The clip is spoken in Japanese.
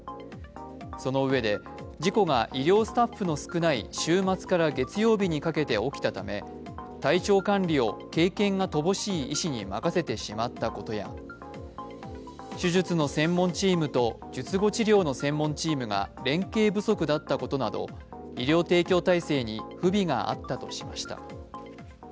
そのうえで事故が医療スタッフの少ない週末から月曜日にかけて起きたため体調管理を経験が乏しい医師に任せてしまったことや手術の専門チームと術後治療の専門チームが連携不足だったことなど医療提供体制に不備があったとしました。